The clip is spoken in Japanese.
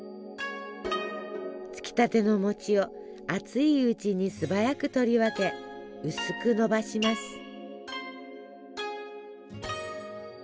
つきたての餅を熱いうちに素早く取り分け薄くのばします。